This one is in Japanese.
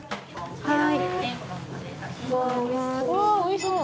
はい。